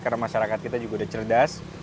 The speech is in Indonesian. karena masyarakat kita juga udah cerdas